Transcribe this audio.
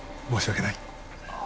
申し訳ない。